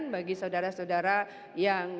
baik jakby luar biasa